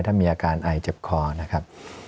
ถ้ามีอาการไอเจ็บคอนะครับ